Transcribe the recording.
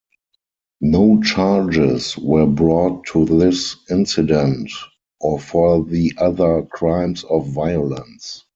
No charges were brought to this incident, or for the other crimes of violence.